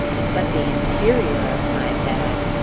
But the interior of my bag!